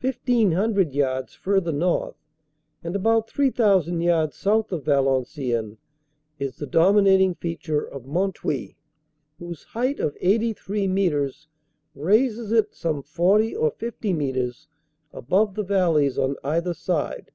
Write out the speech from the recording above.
Fifteen hundred yards further north, and about 3,000 yards south of Valenciennes, is the dominating feature of Mont Houy, whose height of 83 metres raises it some 40 or SO metres above the valleys on either side.